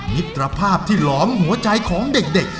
มิตรภาพที่หลอมหัวใจของเด็ก